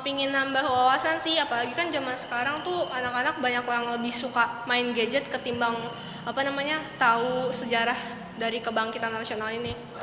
pengen nambah wawasan sih apalagi kan zaman sekarang tuh anak anak banyak yang lebih suka main gadget ketimbang tahu sejarah dari kebangkitan nasional ini